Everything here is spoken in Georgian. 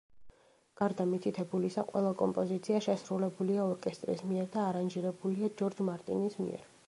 გარდა მითითებულისა, ყველა კომპოზიცია შესრულებულია ორკესტრის მიერ და არანჟირებულია ჯორჯ მარტინის მიერ.